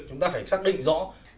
chúng ta phải xác định rõ